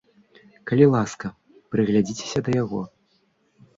Калі ласка, прыглядзіцеся да яго.